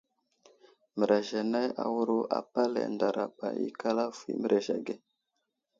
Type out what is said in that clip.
Mərez anay awuro apalay ndaraɓa ikal avohw i mərez age.